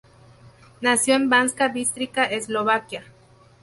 Nació en Banská Bystrica, Eslovaquia.